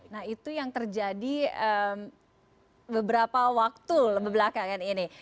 nah itu yang terjadi beberapa waktu lebih belakangan ini